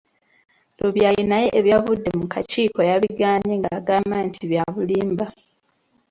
Lubyayi naye ebivuddemu mu kakiiko yabigaanye nga agamba nti bya bulimba.